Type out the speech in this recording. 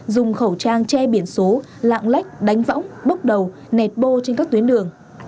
dùng khẩu trang che biển số lạng lách đánh võng bốc đầu nẹt bô trên các tuyến đường